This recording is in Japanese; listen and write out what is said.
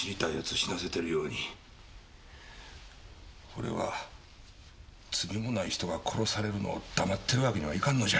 死なせてるように俺は罪もない人が殺されるのを黙ってる訳にはいかんのじゃ。